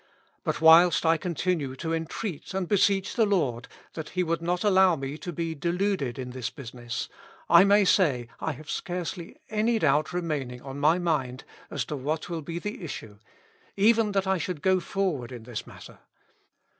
But whilst I continue to entreat and beseech the I^ord, that He would not allow me to be deluded in this business, I may say I have scarcely any doubt remaining on my mind as to what will be the issue, even that I should go forward in this matter.